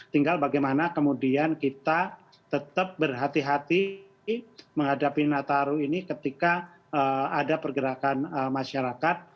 tinggal bagaimana kemudian kita tetap berhati hati menghadapi nataru ini ketika ada pergerakan masyarakat